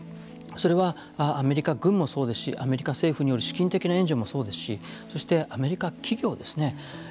それは、アメリカ軍もそうですしアメリカ政府による資金的な援助もそうですしそして、アメリカ企業ですね。